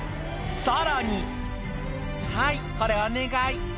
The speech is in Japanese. さらに「はいこれお願い」